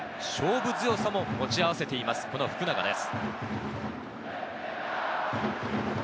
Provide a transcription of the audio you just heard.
勝負強さも持ち合わせている、この福永です。